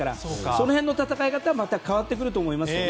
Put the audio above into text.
その辺の戦い方はまた変わってくると思います。